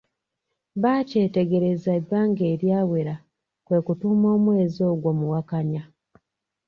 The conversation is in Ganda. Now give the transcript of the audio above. Baakyetegerereza ebbanga eryawera kwe kutuuma omwezi ogwo Muwakanya.